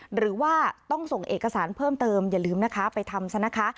หรือว่าต้องส่งเอกสารเพิ่มเติมอย่าลืมนะคะไปทำซะนะคะ